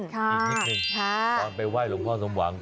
อีกนิดนึงตอนไปไหว้หลวงพ่อสมหวัง